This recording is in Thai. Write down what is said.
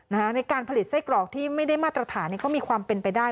ในการผลิตไส้กรอกที่ไม่ได้มาตรฐานก็มีความเป็นไปได้